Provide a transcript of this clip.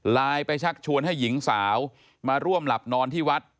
ไปชักชวนให้หญิงสาวมาร่วมหลับนอนที่วัด